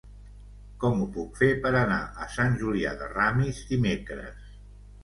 Com ho puc fer per anar a Sant Julià de Ramis dimecres?